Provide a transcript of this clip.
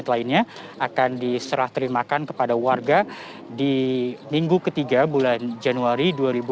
lainnya akan diserah terimakan kepada warga di minggu ketiga bulan januari dua ribu dua puluh